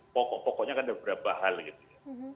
pokok pokoknya kan ada beberapa hal gitu ya